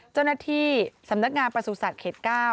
เจ้าหน้าที่สำนักงานประสูจน์สัตว์เข็ด๙